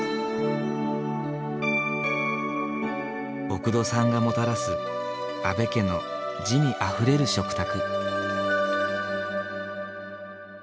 おくどさんがもたらす阿部家の滋味あふれる食卓。